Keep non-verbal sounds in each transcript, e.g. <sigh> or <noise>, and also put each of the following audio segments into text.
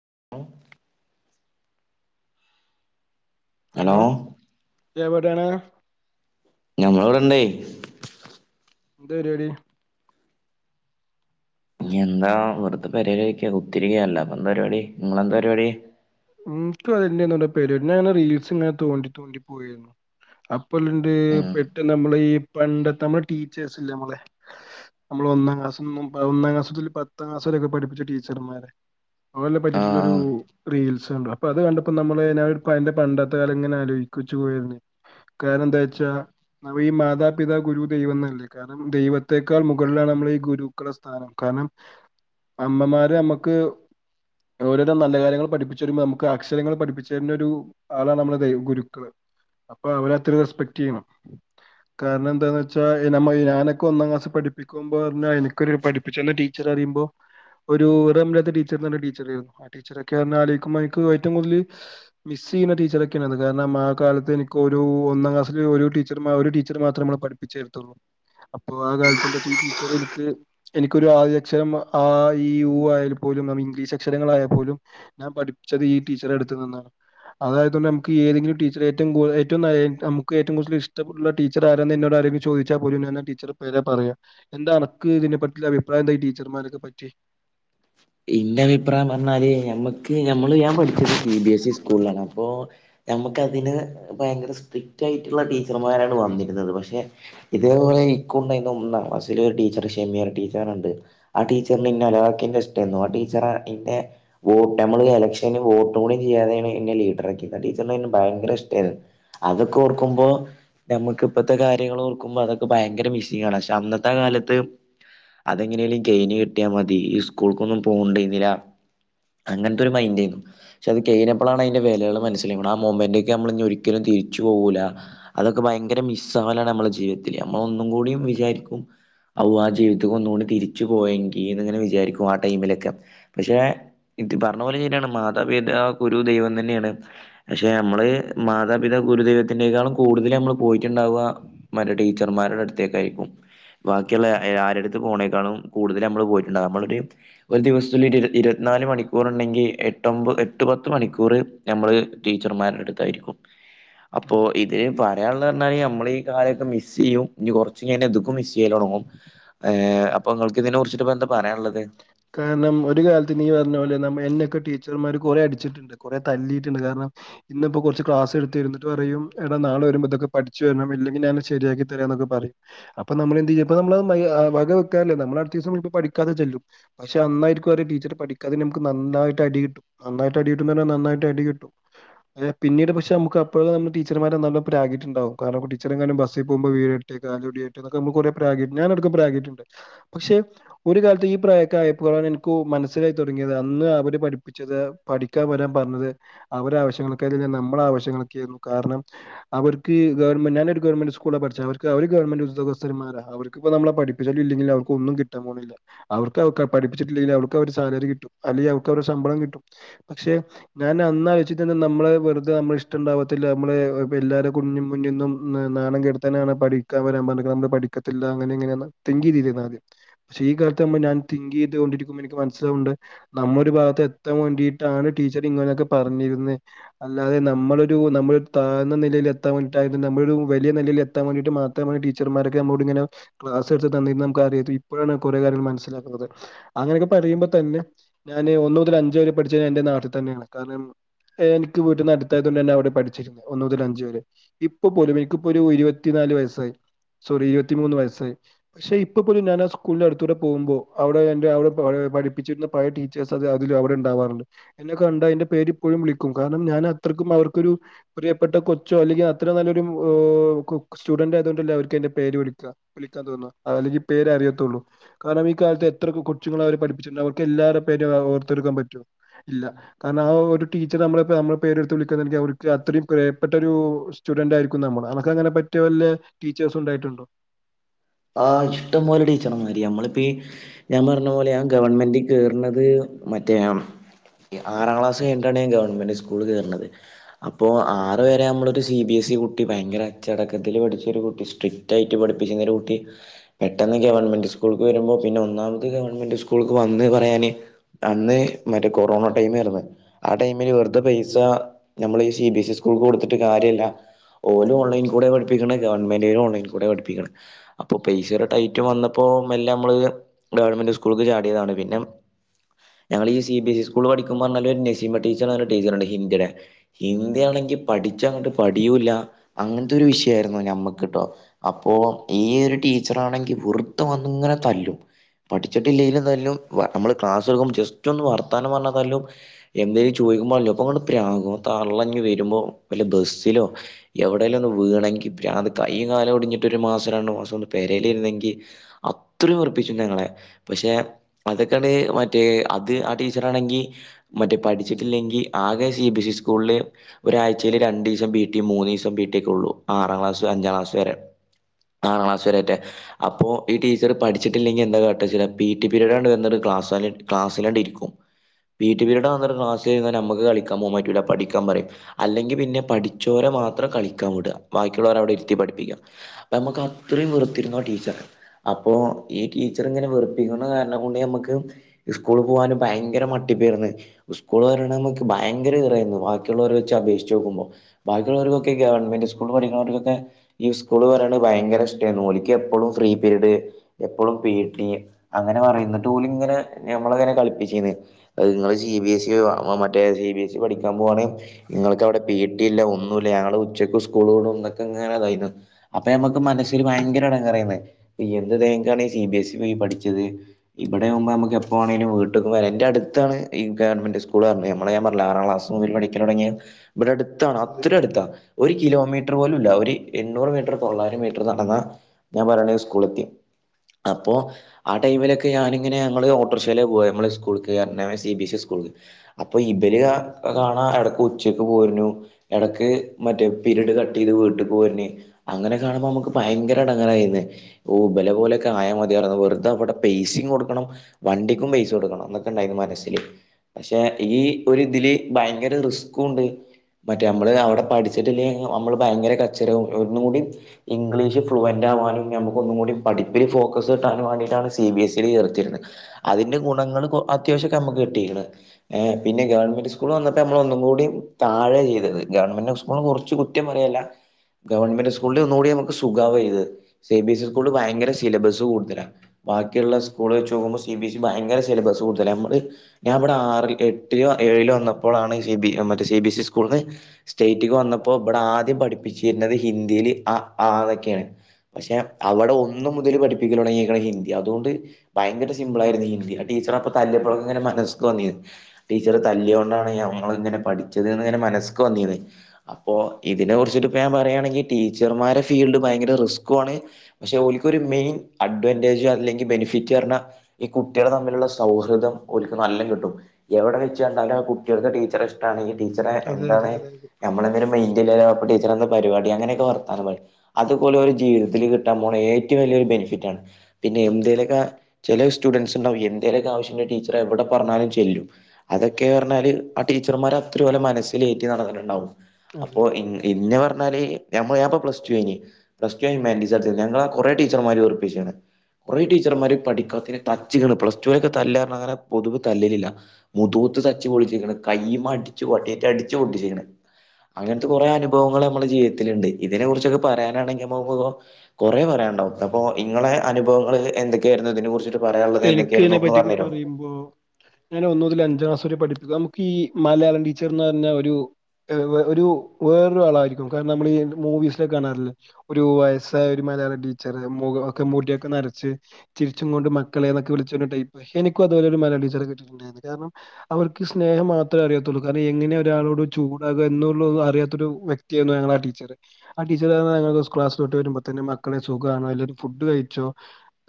<unintelligible> Hello എവിടെണ് ഞമ്മളിവിടെണ്ടേ എന്ത പരിപാടി ഇ എന്താ വെർതെ പെരേലിരിക്ക കുത്തിരികയല്ലോ അപ്പൊ എന്താ പരിപാടി നിങ്ങളെന്താ പരിപാടി എനക്കും അതെന്നാ പര്ങ്ങനെ റീൽസ് ഇങ്ങനെ തോണ്ടി തോണ്ടി പോയിരുന്നു പൊല്ണ്ട് ഉം പെട്ട് നമ്മളീ പണ്ടത്തെ നമ്മ ടീച്ചേഴ്സ് ഇല്ലെ നമ്മളെ നമ്മള് ഒന്നാം ക്ലാസ്സ്ന്നും ഒന്നാം ക്ലാസ്സുതല് പത്താം ക്ലാസ് വരെയൊക്കെ പഠിപ്പിച്ച ടീച്ചർമാരെ ഓലെ ആഹ് പറ്റിട്ടുല്ലൊരൂ ആഹ് റീൽ അപ്പൊ അത് കണ്ടപ്പോ നമ്മള് <unintelligible> പണ്ടത്തെ കാലം ഇങ്ങനെ ആലോയികിച്ചു പോയിരുന്നു കാരണം എന്താച്ചാ ഈ മാതാപിതാ ഗുരു ദൈവം ന്നല്ലേ കാരണം ദൈവത്തേക്കാൾ മുകളിലാണ് നമ്മളെ ഈ ഗുരുക്കള സ്ഥാനം കാരണം അമ്മമാര് നമ്മുക്ക് ഓരോര നല്ല കാര്യങ്ങൾ പഠിപ്പി ചൊരുമ്പോ മ്മക്ക് അക്ഷരങ്ങൾ പഠിപ്പിച്ചുതര്നൊരു ആളാണ് നമ്മളെ ദൈവ ഗുരുക്കള് അപ്പ അവരെ അത്രിം റെസ്‌പെക്ട് ചെയ്യണം കാരണെന്താന്ന്ച്ചാ നമ്മയി ഞാനൊക്കെ ഒന്നാം ക്ലാസ്സി പഠിപ്പിക്കുമ്പോ ർഞ്ഞാ ഇൻക്കൊരു പഠിപ്പിച്ചള്ള ടീച്ചറ് റിമ്പോ ഒരു റംലത് ടീച്ചർ ന്നർഞ ടീച്ചറ് ആ ടീച്ചറൊക്കെർഞ്ഞാല് കമ്മയ്ക്ക് ഏറ്റവും കൂടുതൽ മിസ് ചെയ്യുന്ന ടീച്ചറൊക്കെയാണ്ത് കാരണം ആ കാലത്ത് എനിക്ക് ഒരൂ ഒന്നാം ക്ലാസ്സില് ഓരോ ടീച്ചർ ഒരു ടീച്ചർ മാത്രേ നമ്മൾ പഠിപ്പിച്ചുരത്തുള്ളൂ അപ്പൊ ആ കാലത്ത് എന്താച്ചാ ഈ ടീച്ചർ എനിക്ക് എനിക്കൊരു ആദ്യ അക്ഷരം ആ ഇ ഊ ആയൽ പോലും ന ഇംഗ്ലീഷ് അക്ഷരങ്ങള ആയാ പോലും ഞാൻ പഠി ചതീ ടീച്ചറെടുത് നിന്നാണ് അതായതൊണ്ട് നമുക്ക് ഏതെങ്കിലും ടീച്ചർ ഏറ്റവും ഏറ്റവും നമുക്ക് ഏറ്റവും കൂടുതൽ ഇഷ്ടട്ടുള്ള ടീച്ചറ് ആരാണെന്ന് എന്നോട് ആരെങ്കി ചോദിച്ചാ പോലും ഞാൻ ടീച്ചർ പേരാ പറയാ എന്താ അനക്ക്‌ ഇതിനെപറ്റിള്ള അഭിപ്രായംന്താ ടീച്ചർമാരൊക്കെ പറ്റി ഇന്റെ അഭിപ്രായം പർഞ്ഞാല് ഞമ്മക്ക് ഈ ഞമ്മള് ഞാൻ പഠിച്ചത് സി ബി എസ് ഇ സ്കൂളിലാണ് അപ്പോ ഞമ്മുക്കതിന് ഭയങ്കര സ്ട്രിക്റ്റ് ആയിട്ടുള്ള ടീച്ചർമാരാണ് വന്നിരുന്നത് പക്ഷെ ഇതേപോലെ ഇൻക്കുണ്ടായിനി ഒന്നാം ക്ലാസ്സില് ഒരു ടീച്ചർ ഷെമിറ ടീച്ചറ് പർഞ്ഞാണ്ട് ആ ടീച്ചറിന് ഇന്നെ അലാക്കിന്റെ കെന്നു ആ ടീച്ചറെ ഇന്റെ വോട്ട് നമ്മൾ എലക്ഷന് വോട്ട് ചെയ്യാതെയാണ് ലീഡർക്കിയത് ആ ടീച്ചർന് ഇന്നെ ഭയങ്കര ഇഷ്ടെന്നു അതൊക്കെ ഓർക്കുമ്പോ നമ്മുക്ക് ഇപ്പോഴത്തെ കാര്യങ്ങൾ ഓക്കുമ്പോ അതൊക്കെ ഭയങ്കര മിസ്സിംങ്ങ് ആണ് പക്ഷെ അന്നത്തെ കാലത്ത് അതെങ്ങനെയെലും കെയിന് കിട്ടിയാൽ മതിഈസ് സ്കൂൾക്കൊന്നും പോകണ്ടേര്ന്നില അങ്ങനത്തെ ഒരു മൈൻഡ്യേനു പക്ഷെ അത് കഴിഞ്ഞപ്പളാണ് അയിന്റെ വിലേള് മനസ്സിലായിക്ക്ണു ആ മൊമെന്റക് നമ്മൾ ഒരിക്കലും തിരിച്ചു പോകൂല അതൊക്കെ ഭയങ്ക മിസ്സകലാണ് നമ്മുടെ ജീവിതത്തില് നമ്മള് ഒന്നും കൂടി അതെ വിചാരിക്കും അള്ളാ ആ ജീവിത ത്കൊന്നൂടി തിരിച്ചു പോയെങ്കിന്ന്ങ്ങനെ വിചാരിക്കും ആ ടൈമിലൊക്കെ പക്ഷെത് പറഞ്ഞ പോലെ ശരിയാണ് മാതാപിത ഗുരു ദൈവം തന്നെയാണ് പക്ഷെ നമ്മള് മാതാപിത ഗുരു ദൈവത്തിന്റെേക്കാളും കൂടുതൽ നമ്മള് പോയിട്ടുണ്ടാവുക മറ്റേ ടീച്ചർമാരുടെ അടുത്തേക്കായിരിക്കും ബാക്കിയുള്ള സത്യം സത്യം ആരട്ത്ത് പോണേക്കാളും കൂടുതല് നമ്മള് പോയിട്ട് ണ്ടാവ് നമ്മളൊര് ഒര് ദിവസത്തില് ഒര് ഇരവത്ത്നാല് മണിക്കൂറ് ഇണ്ടെങ്കിൽ എട്ടൊമ്പ എട്ട് പത്ത് മണിക്കൂറ് നമ്മള് ടീച്ചർമാര് ടെടുത്തായിരിക്കും. അപ്പൊ അതെ ഇതെ പറയാള്ള് എന്തായി നമ്മളി ഈ കാര്യക്കെ മിസ്സ്‌യ്യും. ഇഞ്ഞ് കൊർച്ച് കഴിഞ്ഞാ ഇത്ക്കു മിസ്സ്‌യ്യല് തൊടങ്ങും. ഏഹ് അതെ അപ്പ ഇങ്ങൾക്ക്‌ ഇതിനെ കുറിച്ചിട്ട് ഇപ്പ എന്താ പറയാള്ളത്? കാരണം ഒരു കാലത്ത് നീ പറഞ്ഞ പോലെ നമ്മ എന്നൊക്കെ ടീച്ച് ച്ചർമാര് കൊറേ അടിച്ചിട്ട്ണ്ട്. കൊറേ തല്ലിയിട്ട്ണ്ട്. കാരണം ഇന്ന് ഇപ്പ കൊർച്ച് ക്ലാസ്സ്‌ എടുത്തിരുന്നിട്ട് പറയും എടാ നാളെ വരുമ്പോ ഇതക്കെ പഠുച്ചു വരണം ഇല്ലെങ്കിൽ ഞാൻ ന്നെ ശെരിയാക്കി തരാന്നക്കെ പറിം. അപ്പ നമ്മളെന്ത്യ്യ അപ്പ നമ്മളത് മൈ ആഹ് വകവെക്കാല്ല്യ നമ്മള അട്ത്തീസം വീണ്ടും പഠിക്കാതെ ചെല്ലും. പക്ഷെ അന്നായിരിക്കു ഒര് ടീച്ചറ് പഠിക്കാതെ നമ്ക്ക്‌ നന്നായിട്ട് അടി കിട്ടും നന്നായിട്ട് അടി കിട്ടുന്നർഞ്ഞ നന്നായിട്ട് അടി കിട്ടും. ഏഹ് പിന്നീട് പക്ഷേ നമ്ക്ക് അപ്പോഴൊന്നും നമ്മള് ടീച്ചർമാരെ നല്ല പ്രാഗീട്ട്ണ്ടാവും കാരണം ടീച്ചറെങ്ങാനും ബസ്സിൽ പോവുമ്പോ വീഴട്ടെ കാലോടിയട്ടെ എന്നൊക്കെ നമ്മള് കൊറേ പ്രാഗീട്ട്ണ്ട് ഞാനടക്കം പ്രാഗിയിട്ട്ണ്ട്. പക്ഷെ ഒരു കാലത്ത് ഈ പ്രായ ക്കായപ്പോളാണ് എനിക്ക് ഉ മനസ്സിലായി തൊടങ്ങിയത്. അന്ന് അവര് പഠിപ്പിച്ചത് പഠിക്കാൻ വരാൻ പറഞ്ഞത് അവര ആവശ്യങ്ങൾ ക്കായിട്ടല്ല നമ്മളെ ആവശ്യങ്ങൾക്കേര്ന്നു. കാരണം അവര്ക്ക് ഗവർമെ ഞാനൊര് ഗവൺമെന്റ് സ്കൂളിലാ പഠിച്ചത് അവർക്ക് അവര് ഗവൺമെന്റ് ഉദ്യോഗസ്ഥന്മാരാ അവർക്കിപ്പോ നമ്മളെ പഠിപ്പിച്ചാലും ഇല്ലെങ്കിലും അവർക്ക് ഒന്നും കിട്ടാൻ പോകുന്നില്ല അവർ ഇപ്പ അവർക്ക പഠിപ്പിച്ചിട്ടില്ലേലും അവർക്ക് അവരെ സാലറി കിട്ടും. അല്ലെ അവർക്ക് അവരെ ശമ്പളം കിട്ടും. പക്ഷെ ഞാൻ അന്നാലോയിച്ചിട്ട്ണ്ട് നമ്മള് വെറുത നമ്മളെ ഇഷ്ടണ്ടാവത്തില്ല നമ്മളെ ഇപ്പ എല്ലാരെ കുഞ്ഞു മുന്നിന്നും നാണം കെടുത്താനാണ് പഠിക്കാൻ വരാൻ പറഞ്ഞ്ക്ക്ണ് അന്ന് പഠിക്കത്തില്ല അങ്ങനെ ഇങ്ങനെന്ന് എത്തെങ്കി രീതി നിന്നമതി. പക്ഷേ ഈ കാലത്ത് നമ്മ ഞാൻ തിങ്ക്യ്തുകൊണ്ടിരിക്കുമ്പ എനിക്ക് മനസിലാവ്ണ്ട് നമ്മൊര് ഭാഗത്ത് എത്താൻ വേണ്ടീട്ടാണ് ടീച്ചറ് ഇങ്ങനൊക്കെ പറഞ്ഞിരുന്നെ അല്ലാതെ നമ്മളൊരു നമ്മൾ താഴ്ന്ന നിലയിൽ എത്താൻ വേണ്ടിട്ടായിര്ന്നില്ല നമ്മളൊരു വെലിയ നെലയിൽ എത്താൻ വേണ്ടിയിട്ട് മാത്രമാണ് ടീച്ചർമാരൊക്കെ നമ്മളോട് ഇങ്ങനെ ക്ലാസ് എടുത്ത് തന്നിന്ന് നമുക്ക് അറിയത്. ഇപ്പോഴാണ് കൊറേ കാര്യങ്ങള് മനസ്സിലാ <unintelligible> അങ്ങനെയൊക്കെ പറിയുമ്പ തന്നെ ഞാന് ഒന്നു മുതൽ അഞ്ച് വരെ പഠിച്ചത് എന്റെ നാട്ടിൽ തന്നെയാണ്. കാരണം എനിക്ക് വീട്ടിന്ന് അടുത്തായതുകൊണ്ടന്നെ അവിടെ പഠിച്ചിരിക്ക്ന്നെ ഒന്നു മുതൽ അഞ്ച് വരെ ഇപ്പ പോലും എനിക്കിപ്പോ ഒരു ഇരുവത്തി നാല് വയസ്സായി സോറി ഇരുവത്തി മൂന്ന് വയസ്സായി. പക്ഷെ ഇപ്പ പോലും ഞാന് ആ സ്കൂളിന്റെ അടുത്തുകൂടെ പോവുമ്പോ അവിടെ എന്റെ അവിടെ പഴേയ പഠിപ്പിച്ചിരുന്ന പഴയ ടീച്ചേഴ്സൊക്കെ അതിക അവിടെ ഉണ്ടാവാറ്ണ്ട്. എന്നെ കണ്ടാ എന്റെ പേര് ഇപ്പോഴും വിളിക്കും കാരണം ഞാനഅത്രക്കും അവർക്കൊരു പ്രിയപ്പെട്ട കൊച്ചോ അല്ലെങ്കിൽ അത്ര നല്ലൊരു മോ ഹ് കു സ്റ്റുഡന്റ് ആയതോണ്ടല്ല അവർക്ക് എന്റെ പേര് വിളിക്ക് വിളിക്കാൻ തോന്ന് അതല്ലെങ്കിൽ പേര് അറിയത്തുള്ളൂ. കാരണം ഈ ഇക്കാലത്ത് എത്രക്ക് കൊച്ചുങ്ങളെ അവര് പഠിപ്പിച്ചിട്ടുണ്ടാവും അവർക്ക് എല്ലാരെ പേര് ആ ഓർത്തെടുക്കാൻ പറ്റോ? ഇല്ല കാരണം ആ ഒരു ടീച്ചറ് നമ്മളപ്പ നമ്മള് പേരെടുത്തു വിളിക്കന്നുണ്ടെങ്കി അവർക്ക് അത്രയും പ്രീയപ്പെട്ട ഒരു സ്റ്റുഡന്റ് ആയിരിക്കും നമ്മള്. അനക്ക് അങ്ങനെ പറ്റിയ വല്ല ടീച്ചേഴസ് ഉണ്ടായിട്ടുണ്ടോ? ആ ഇഷ്ടം പോലെ ടീച്ചർമാര് നമ്മളിപ്പ ഈ ഞാൻ പറഞ്ഞ പോലെ ഞാൻ ഗവൺമെന്റി കേറ്ണത് മറ്റേ അം ആറാം ക്ലാസ്സ് കഴിഞ്ഞിട്ടാണ് ഞാൻ ഗവൺമെന്റ് സ്കൂള് കേറ്ണത് അപ്പോ ആറ് വരെ അമ്മളൊരു സി ബി എസ് ഇ കുട്ടി ഭയങ്കര അച്ചടക്കത്തില് പഠിച്ചൊ ര് കുട്ടി സ്ട്രിക്റ്റ് ആയിട്ട് പഠിപ്പിക്കുന്നൊരു കുട്ടി പെട്ടെന്ന് ഗവൺമെന്റ് സ്കൂൾക്ക് വെ രുമ്പോ പിന്നെ ഒന്നാമത് ഗവൺമെന്റ് സ്കൂൾക്ക് വന്ന് പറയാന് അന്ന് മറ്റേ കൊറോണ ടൈമേര്ന്നു. ആ ടൈമില് വെറുതെ പെയിസ നമ്മള് ഈ സി ബി എസ് ഇ സ്കൂൾക്ക് കൊടുത്തിട്ട് കാര്യല്ല ഓനും ഓൺലൈൻ കൂടെ പഠിപ്പിക്കണേ ഗവൺമെന്റിനെ ഓൺലൈൻ കൂടെ പഠിപ്പിക്ക്ണെ അപ്പൊ പെയിസടെ ടൈറ്റു വന്നപ്പോ മെല്ലെ അമ്മള് ഗവൺമെന്റ് സ്കൂൾ ക്ക് ചാടിയതാണ്. പിന്നെ ഞങ്ങളി ഈ സി ബി എസ് ഇ സ്കൂളിൽ പഠിക്കുമ്പർഞ്ഞാല് ഒരു നസീമ ടീച്ചറ്ർ ഞ്ഞ ടീച്ചറ്ണ്ട് ഹിന്ദിടെ, ഹിന്ദി ആണെങ്കി പഠിച്ച അങ്ങോട്ട് പഠിയൂല്ല. അങ്ങൻത്തെ ഒരു വിഷയായിരുന്നു ഞമ്മക്ക്ട്ടോ അപ്പോ ഈ ഒരു ടീച്ചറാണെങ്കി വെർതെ വന്നിങ്ങനെ തല്ലും. പഠിച്ചിട്ടില്ലെലും തല്ലും നമ്മള് ക്ലാസ് എടുക്കുമ്പോ ജസ്റ്റ് ഒന്ന് വർത്താനം പറഞ്ഞാ തല്ലും. എന്തേലും ചോയ്ക്കുമ്പല്ലും. അപ്പ നമ്മൾ പ്രാകും ആ തള്ളഞ് വരുമ്പോ വല്ല ബസ്സിലോ എവടെലും ഒന്ന് വീണങ്കി പ്രാന്ത് കൈയും കാലും ഒടിഞ്ഞിട്ടൊര് മാസ് സൊ രണ്ടുമാസൊ ഒന്നു പെരേലിരുന്നെങ്കിൽ അത്രയും വെറുപ്പിച്ണ്ട് ഞങ്ങളെ. പക്ഷെ അതൊക്കേണ്ട് മറ്റ് അത് ആ ടീച്ചറാണെങ്കി മറ്റെ പഠിച്ചിട്ടില്ലെങ്കിൽ ആകെ സി ബി എസ് ഇ സ്കൂളില് ഒരാഴ്ചേൽ രണ്ടു ദിവസം പി ടി മൂന്ന് ദിവസം പി ടി ഒക്കെ ഒള്ളൂ ആറാം ക്ലാസ് അഞ്ചാം ക്ലാസ് വരെ. ആറാം ക്ലാസ് വരെയൊക്കെ. അപ്പോ ഈ ടീച്ചറ് പഠിച്ചിട്ടില്ലെങ്കി എന്താ കാട്ടാച്ചാല് പി ടി പീരീഡാണ്ട് വന്നിട്ട് ക്ലാസാല് ക്ലാസിലാണ്ട് ഇരിക്കും. പി ടി പീരീഡ വന്ന്ട്ട് ക്ലാസ്സിലിരുന്നാൽ നമുക്ക് കളിക്കാൻ പോകാൻ പറ്റൂല്ല പഠിക്കാൻ പറിം. അല്ലെങ്കി പിന്നെ പഠിചോരെ മാത്രം കളിക്കാൻ വിടാ. ബാക്കിയുള്ളവരെ അവിടെ ഇരുത്തി പഠിപ്പിക്കാ. അപ്പ നമുക്ക അത്രിം വെറുത്തിരുന്നു ആ ടീച്ചറെ. അപ്പോ ഈ ടീച്ചർ ഇങ്ങനെ വെറുപ്പിക്ണ കാരണം കൊണ്ട് ഞമക്ക് സ്കൂൾ പോകാൻ ഭയങ്കര മട്ടിപ്പേര്ന്ന് സ്കൂൾ വര്ണ ഞമക്ക് ഭയങ്കര ഈറേരുന്നു. ബാക്കിയുള്ളവരെ വെച്ച് അപേക്ഷിച്ച് നോക്കുമ്പം. ബാക്കിയുള്ളവർക്കൊക്കെ ഗവൺമെന്റ് സ്കൂൾ പഠിക്കുന്നവർക്കൊക്കെ ഈ സ്കൂള് ന്നു പറയണ ഭയങ്കര ഷ്ടേന്നു. ഓല്ക്ക്‌ എപ്പളും ഫ്രീ പിരീഡ് എപ്പളും പി ടി അങ്ങനെ പറയും. ഇന്നട്ട് ഓല് ഇങ്ങനെ ഞമ്മളങ്ങനെ കളിപ്പിച്ചീന്ന്. അഹ് ഇങ്ങൾ സി ബി എസ് ഇ മറ്റേ സി ബി എസ് ഇ പഠിക്കാൻ പോവാണ് ഇങ്ങൾക്ക് അവിടെ പി ടി ഇല്ല ഒന്നുല്ല ഞങ്ങൾ ഉച്ചക്ക്‌ സ്കൂളു വുടുന്നൊക്കെ ഇങ്ങനതായിന്നു. അപ്പൊ ഞമ്മക്ക് മനസ്സി ൽ ഭയങ്കര എടങ്ങേറേന്ന്. എന്ത് തേങ്ങക്കാണ് ഈ സി ബി എസ് ഇ പോയി പഠിച്ചത് ഇവിടെയാവുമ്പം ഞമക്ക്‌ എപ്പ വേണേലും വീട്ടിക്കും വരാം. ഇന്റെ അട്ത്താണ് ഈ ഗവൺമെന്റ് സ്കൂള് പറഞ്ഞത് ഞമ്മളെ ഞാൻ പറിഞ്ഞില്ലേ ആറാം ക്ലാസ് മുതൽ പഠിക്കലു തുടങ്ങിയ ഇവിടെ അടുത്താണ് അതെ അത്രിം അടുത്താ ഒരു കിലോമീറ്റർ പോലും ഇല്ല. ഒ ട്ടി എണൂറ് മീറ്റർ തൊള്ളായിരം മീ റ്റ്റ് നടന്നാ ഞാൻ പറിണ ഈ സ്കൂളെത്തി. അപ്പോ ആ ടൈമിലൊക്കെ ഞാനിങ്ങനെ ഞങ്ങള് ഓട്ടോറിക്ഷയിലാ പോവ ഞമ്മളെ സ്കൂൾക്ക് അർണെ സി ബി എസ് ഇ സ്കൂള്ക്ക്. അപ്പ ഇവര് ആ കാണാ എടക്ക്‌ ഉച്ചക്ക് പോര്നു. എടക്ക് മറ്റേ പിരീഡ് കട്ട് ചെയ്ത് വീട്ട്ക്ക് പോര്ന്. അങ്ങന്യൊക്കെ കാണുമ്പോ മ്മ ക്ക് ഭയങ്കര എടങ്ങാറായിന്ന്. ഓഹ് ഇബലെ പോലൊക്കെ ആയാൽ മതിയാർന്നു. വെർതെ അവിടെ പെയ്‌സിം കൊടുക്കണം വണ്ടിക്കും പൈസ കൊടുക്കണം എന്നൊക്കെ ഉണ്ടായിന്നു മനസ്സില്. പക്ഷെ ഈ ഒരു ഇതില് ഭയങ്കര റിസ്കും ഉണ്ട് മറ്റേ നമ്മള് അവിടെ പഠിച്ചിട്ടില്ലെ നമ്മള് ഭയങ്കര കച്ചറയാവും. ഒന്നൂടിം ഇംഗ്ലീഷ് ഫ്ലുവന്റ് ആവാനും ഞമക്ക് ഒന്നും കൂടി പഠിപ്പിൽ ഫോക്കസ് കിട്ടാനും വേണ്ടിട്ടാണ് സി ബി എസ് സിയിൽ ചേർത്തിരുന്നെ. അതിന്റെ ഗുണങ്ങൾ കോ അത്യാവശ്യൊക്കെ നമുക്ക്‌ കിട്ടീക്ണ്. ഏഹ് പിന്നെ ഗവൺമെന്റ് സ്കൂൾ വന്നപ്പോ നമ്മള് ഒന്നും കൂടി താഴാ ചെയ്തത്. ഗവൺമെന്റ് സ്കൂളിനെ കുറച്ച് കുറ്റം പറയ്യല്ല ഗവൺമെന്റ് സ്കൂളിൽ ഒന്നുംകൂടി നമ്മ സുഖാവാ ചെയ്തത്. ഇത് C B S E school ഭയങ്കര സിലബസ് കൂടുതലാ. ബാക്കിള്ള സ്കൂള് വച്ച് നോക്കുമ്പം സി ബി എസ് ഇ ഭയങ്കര സിലബസ് കൂടുതലാ നമ്മള് ഞാൻ ഇവിടെ ആറി എട്ടിലോ ഏഴിലോ വന്നപ്പോളാണ് സി ബി മറ്റേ സി ബി എസ് ഇ സ്കൂളിന് സ്റ്റേറ്റ് ക്ക് വന്നപ്പോ ഇബടെ ആദ്യം പഠിപ്പിച്ചിര്ന്നത് ഹിന്ദീല് അ ആ തൊക്കേണ്. പക്ഷെ അവടെ ഒന്ന് മുതൽ പഠിപ്പിക്കലു തൊടങ്ങീക്ണ് ഈ ഹിന്ദി. അതോണ്ട് ഭയങ്കര സിമ്പിൾ ആയിരുന്നു ഹിന്ദി. ആ ടീച്ചർ അപ്പൊ തല്ലിയപ്പോളക്കെങ്ങനെ മനസ്ക്ക് വന്നിരുന്നു. ടീച്ചർ തല്ലിയോണ്ടാണ് ഞമ്മൾ ഇങ്ങനെ പഠിച്ചത് ന്ന് ഇങ്ങനെ മനസ്ക്ക് വന്നീന്ന്. അപ്പോ ഇതിനെ കുറിച്ചിട്ട് ഇപ്പ ഞാൻ പറയാണെങ്കി ടീച്ചർമാരെ ഫീൽഡ് ഭയങ്കര റിസ്കുവാണ് പക്ഷെ ഓൽക്കൊരു മെയിൻ അഡ്വാന്റെജ് അല്ലെങ്കിൽ ബെനിഫിറ്റ് പർഞ്ഞാ ഈ കുട്ടികള് തമ്മിലുള്ള സൗഹൃദം ഓൽക്ക് നല്ലം കിട്ടും എവിടെ വെച്ച് കണ്ടാലും കുട്ടിയേൾക്ക്‌ ആ ടീച്ചറെ ഇഷ്ടാണെങ്കി ടീച്ചറേ അതെ അതെ എന്താണ് അതെ അതെ ഞമ്മള് എന്തേലും മെയി ൻ്റ് ഇല്ലല്ലോ അപ്പോ ടീച്ചർ അന്ന് പരിപാടി അങ്ങനെയൊക്കെ വർത്താനം പറിം അതുപോലെ ഓലെ ജീവിതത്തിൽ ക്ക് കിട്ടാൻ പോണ ഏറ്റവും വല്യൊരു ബെനഫിറ്റ് ആണ്. പിന്നെ അതെ എന്തേലൊക്കെ ചെലേ സ്റ്റുഡന്റ്സ് ണ്ടാവും എന്തേലൊക്കെ ആവശ്യണ്ടെ ടീച്ചർ എവിടെ പറഞ്ഞാലും ചെല്ലും അതൊക്കെ ർഞ്ഞാല് ആ ടീച്ചർമാര് അത്രേം മനസ്സ്ല് ഏറ്റി നടന്ന്ട്ട്ണ്ടാവും അതെ അപ്പോ അതെ ഇ ഇന്ന വർ ന്നാല് നമ്മ ഞ പ്പോ പ്ലസ് ടു കയ്ഞ് പ്ലസ് ടു <unintelligible> സയൻസ് ഞങ്ങള കൊറെ ടീച്ചർമാര് വെർപ്പിച്ച്ക്ക്‌ണ് കൊറെ ടീച്ചർമാര് പഠിക്കാത്തേന് തച്ച്ക്ക്‌ണ് പ്ലസ്ടുനൊക്കെ തല്ലർഞ അങ്ങനെ പൊതുവെ തല്ലലില്ല മുതുകത്ത് തച്ച് പൊളിച്ച്ക്ക്‌ണ് കയ്യ്മ്മെ അടിച്ച് വടിയേറ്റ് അടിച്ച് പൊട്ടിച്ച്ക്ക്‌ണ് അങ്ങൻത്തെ അതെ കൊറേ അതെ. അനുഭവങ്ങള് നമ്മളെ ജീ ത്തില്ണ്ട് ഇതിനെ കുറിച്ചൊക്കെ പറയാനാണെങ്കിൽ നമ്മക്ക് കൊറേ പറയാണ്ടാവും അപ്പോ ഇങ്ങളെ അനുഭവങ്ങൾ എന്തൊക്കെയായിരുന്നു ഇതിനെ കുറിച്ച് എനിക്ക് ഇതിനെ പറ്റിക്ക് പറയുമ്പോ ഞാൻ ഒന്നു മുതൽ അഞ്ചാം പഠിപ്പിക്ക നമ്മക്ക് ഈ മലയാളം ടീച്ചർന്ന് പറഞ്ഞ ഒരു ഒരു വേറൊരാളായിരിക്കും കാരണം നമ്മളീ മൂവീസിലൊക്കെ കാണാറില്ലേ ഒരു വയസ്സായ ഒരു മലയാളം ടീച്ചർ മുഖം മുടിയൊക്കെ നരച്ച് ചിരിച്ചും കൊണ്ട് മക്കളെ എന്നൊക്കെ വിളിച്ച് ടൈപ്പ് എനിക്കും അതുപോലെ ഒരു മലയാള ടീച്ചറെ കിട്ടിട്ടുണ്ടായിരുന്നു കാരണം അവർക്ക് സ്നേഹം മാത്രേ അറിയത്തുള്ളൂ കാരണം എങ്ങനെ ഒരാളോട് ചൂടകുക എന്നുള്ള അറിയാത്തരു വ്യക്തിയായിരുന്നു ഞങ്ങളെ ആ ടീച്ചർ ആ ടീച്ചറ് ഞങ്ങൾ ക്ലാസ് തോട്ട് വരുമ്പോ തന്നെ മക്കളെ സുഖമാണോല്ലാവരും ഫുഡ് കഴിച്ചോ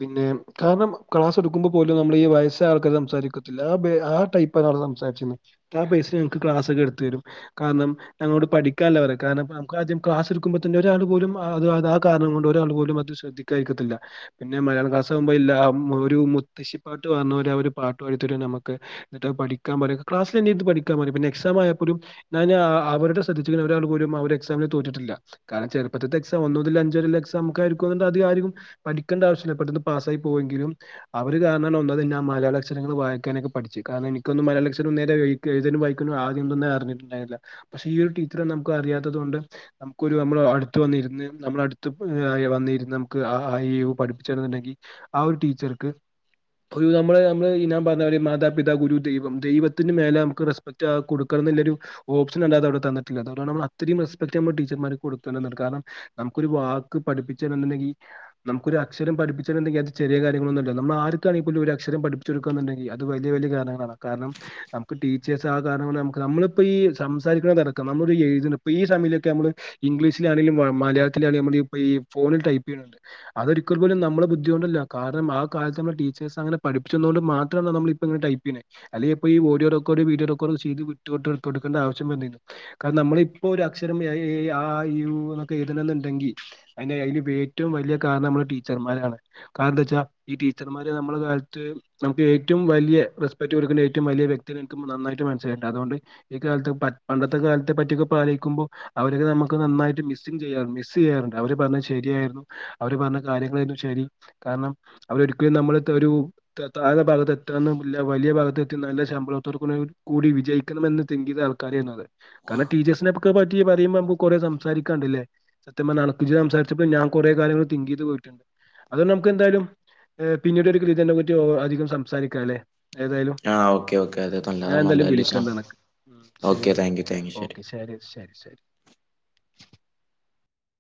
പിന്നെ കാരണം ക്ലാസ് എടുക്കുമ്പോ പോലും നമ്മളീ ഈ വയസ്സായ ആൾക്കാര് സംസാരിക്കത്തില്ല ആ ബേ ആ ടൈപ്പാണ് അവിടെ സംസാരിച്ചിര്ന്നത് ആ പൈസൽ ഞങ്ങക്ക് ക്ലാസ്സൊക്കെ എടുത്ത് തരും കാരണം ഞങ്ങളോട് പഠിക്കാനല്ല പറയാ കാരണം നമുക്ക് ആദ്യം ക്ലാസ് എടുക്കുമ്പോ തന്നെ ഒരാൾ പോലും അത് ആ കാരണം കൊണ്ട് ഒരാൾ പോലും അത് ശ്രദ്ധിക്കാതിരി ക്കത്തില്ല പിന്നെ മലയാം ക്ലാസ് ആകുമ്പോൾ എല്ലാം ഒരു മുത്തശ്ശിപ്പാട്ട് വന്നവരവര് ഒരു പാട്ട് പാടി തരും നമ്മക്ക് എന്നിട്ട് പഠിക്കാൻ പറയും ക്ലാസിൽ എഞ്ഞി ഇത് പഠിക്കാൻ പറയും പിന്നെ എക്സാം ആയാപ്പോലും ഞാൻ അവരുടെ സബ്ജെറ്റിൽ ഒരാള് പോലും അ ഒരു എക്സാമില് തോറ്റിട്ടില്ല കാരണം ചെറുപ്പത്തിത്തെ എക്സാം ഒന്നു മുതൽ അഞ്ച് വരെയുള്ള എക്സാം ഒക്ക ആയിരിക്കുംന്നു അത് ആരും പഠിക്കേണ്ട ആവശ്യമില്ല പെട്ടെന്ന് പാസ്സായി പോയ ങ്കിലും അവര് കാരണ ഒന്നത് ഇന്നെ ആ മലയാള അക്ഷരങ്ങള് വായിക്കാനൊക്കെ പഠിച്ചു കാരണം എനിക്കൊന്ന മലയാള അക്ഷരം നേരെ ഏതും വായിക്കാന ആദ്യംന്നും അറിഞ്ഞിട്ടുണ്ടായിരുന്നില്ല പക്ഷെ ഈ ഒരു ടീച്ചറെ നമു അറിയാത്തത് കൊണ്ട് നമുക്കൊരു നമ്മള്അടുത്ത് വന്നിരുന്ന് നമ്മള അടുത്ത് വന്നിരുന്ന് നമുക്ക് ആ ഈ ഊ പഠപ്പിച്ചു തരുന്ന് ണ്ടെങ്കിൽ ആ ഒരു ടീച്ചർക്ക് ഒരു നമ്മള് നമ്മള് ഞാൻ പറഞ്ഞ മാതാപിതാ ഗുരു ദൈവം ദൈവത്തിന്റെ മേല നമുക്ക് റെസ്പെക്റ്റ് കൊടുക്കണം എന്നൊരു ഓപ്ഷൻ അല്ലാതെ അവിടെ തന്നിട്ടില്ല അതോണ്ട് നമ്മൾ അത്രയും റെസ്പെക്ട് നമ്മൾ ടീച്ചർമാർക്ക് കൊടുക്കണന്ന്ണ്ട് കാരണം നമുക്കൊരു വാക്ക് പഠിപ്പിച്ചുണ്ടെങ്കിൽ നമുക്കൊരു അക്ഷരം പഠിപ്പിച്ചട്ടുണ്ടെങ്കിൽ അത് ചെറിയ കാര്യങ്ങളൊന്നുമല്ല നമ്മൾ ആർക്കാണേ പോലും ഒരു അക്ഷരം പഠിപ്പിച്ച കൊടുക്കുക എന്നുണ്ടെിൽ അത് വലിയ വലിയ കാരണങ്ങളാണ് കാരണം നമുക്ക്ടീച്ചേഴസ് ആ കാരണക്കൊണ്ട് നമക്ക് നമ്മളിപ്പോ ഈ സംസാരിക്കണടക്കം നമ്മൾ എഴുത്ണ് ഇപ്പ ഈ സയമൊക്കെ നമ്മള് ഇംഗ്ലീഷിലാണെങ്കിലും മലയാത്തിലണങ്കിലും നമ്മളീ ഇപ്പോ ഈ ഫോണിൽ ടൈപ്പ് ചെയ്യുന്നുണ്ട് അതൊരിക്കൽ പോലും നമ്മള് ബുദ്ധിയൊണ്ടല്ല കാരണം ആ കാലത്ത് നമ്മളെ ടീച്ചേഴ്സ് അങ്ങനെ പഠപ്പിച്ചതുകൊണ്ട് മാത്രമാണ് നമ്മളിപ്പംഇങ്ങനെ ടൈപ്പ് ചെയ്യ്ണെ അല്ലെങ്കി ഇപ്പൊ ഈ ഓഡിയോ റെക്കോർഡ് വീഡീയോ റെക്കോർഡ് ചെയ്ത് വിട്ടോണ്ട് കൊടുക്കണ്ട ആവശ്യം വന്നിനി കാരണം നമ്മളിപ്പോ ഒരു അക്ഷരം എ ഐ അ ആ ഇ ഈ ഉ ഊ എന്നൊക്കെ എഴുതണെന്നുണ്ടങ്കിൽ അയിന്റെ അയിന്റെ ഏറ്റവും വലിയ കാരണം നമ്മുടെ ടീച്ചർമാരാണ് കാരണം എന്താ വെച്ചാ ഈ ടീച്ചർമാരെ നമ്മുടെ കാലത്ത് നമുക്ക് ഏറ്റവും വലിയ റെസ്പെക്ട് കൊടുക്കേണ്ട ഏറ്റവും വലിയ വ്യക്തി നിങ്ങക്ക് നന്നായിട്ട് മനസ്സിലായിട്ടണ്ട് അതുകൊണ്ട് ഈ കാലത്ത് പണ്ടത്തെ കാലത്തെ പറ്റിയൊക്കെ ഇപ്പം ആലോയിക്കുമ്പോൾ അവരക്കെ നമുക്ക് നന്നായിട്ട് മിസ്സിങ് ചെയ്യാറ്ണ്ട് മിസ്റ്റ് ചെയ്യാറുണ്ട് അവര് പറഞ്ഞത് ശരിയായിരുന്നു അവര് പറഞ്ഞ കാര്യങ്ങളായിരുന്നു ശരി കാരണം അവരെ ഒരിക്കലും നമ്മൾ ഒരു താഴ്ന്ന ഭാഗത്ത് എത്താന്ന് വലിയ ഭാഗത്ത് എത്തി നല്ല ശമ്പളത്തോർ കൂടി വിജയിക്കണമെന്ന് തിങ്ക് ചെയ്ത് ആൾക്കാരായിരുന്നു അത് കാരണം ടിച്ചേഴ്സിനെക്കെ പറ്റി പറയുമ്പോ നമ്മക്ക് കുറെ സംസാരിക്കാണ്ട്ല്ലേ സത്യം പറഞ്ഞാ അനക്ക് ഇജ്ജ് സംസാരിച്ചപ്പോൾ ഞാൻ കുറെേ കാര്യങ്ങൾ തിങ്ക് ചെയ്തു പോയിട്ടുണ്ട് അതൊ നമുക്ക് എന്തായാലും പിന്നീട് ഒരു കൃതിനെ പറ്റി അധികം സംസാരിക്കാം അല്ലെ ഏതായാലും ആ ഓക്കെ ഓക്കേ അത് നല്ലതാ ഞാൻ എന്തായാലും നല്ലലിസ വിളിക്കണ്ട് അനക്ക് ഓക്കെ ശരിയാണ് താങ്ക് യു താങ്ക് യു ശരി ഓക്കെ ശരി <unintelligible>